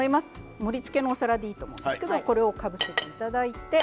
盛りつけのお皿でいいと思うんですけれどこれをかぶせていただいて。